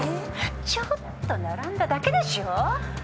ちょっと並んだだけでしょ。